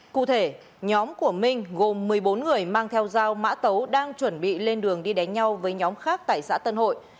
cụ thể nhóm của minh gồm một mươi bốn người mang theo dao mã tấu đang chuẩn bị lên đường đi đánh nhau với nhóm khác tại xã tân hội